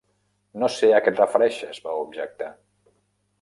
"No sé a què et refereixes", va objectar.